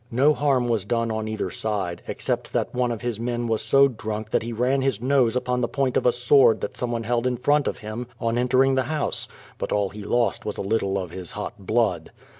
No harm was done on either side, except that one of his men w as so drunk that he ran his nose upon the point of a sword that some one held in front of him on entering the house; but aU he lost was a little of his hot blood.